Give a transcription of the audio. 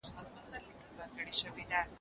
خو نه څانګه په دنیا کي میندل کېږي